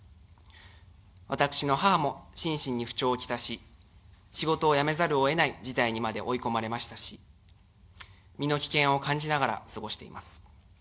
私の母も心身に不調をきたし仕事を辞めざるを得ない事態に追い込まれましたし身の危険を感じながら過ごしています。